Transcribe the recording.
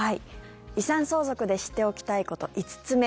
遺産相続で知っておきたいこと、５つ目。